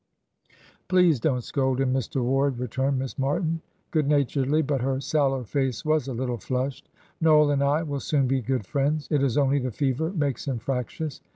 "Please don't scold him, Mr. Ward," returned Miss Martin, good naturedly; but her sallow face was a little flushed. "Noel and I will soon be good friends; it is only the fever makes him fractious."